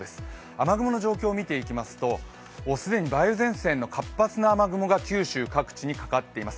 雨雲の状況見ていきますと既に梅雨前線の活発な雨雲が九州各地にかかっています。